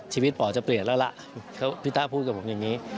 ชีวิตป่อจะเปลี่ยนแล้วล่ะพี่ต้าพูดกับผมอย่างนี้